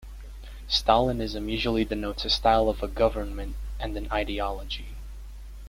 Stalinism usually denotes a style of a government, and an ideology.